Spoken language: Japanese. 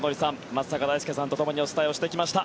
松坂大輔さんとともにお伝えしました。